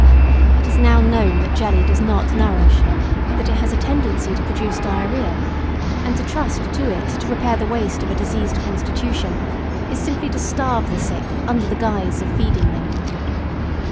It is now known that jelly does not nourish, that it has a tendency to produce diarrhoea, and to trust to it to repair the waste of a diseased constitution is simply to starve the sick under the guise of feeding them.